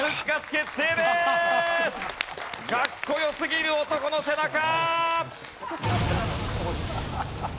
かっこよすぎる男の背中！